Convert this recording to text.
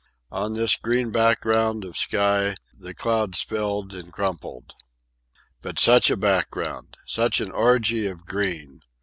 On this green background of sky the clouds spilled and crumpled. But such a background! Such an orgy of green!